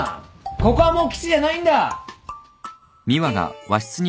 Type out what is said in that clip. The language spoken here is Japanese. ここはもう基地じゃないんだ。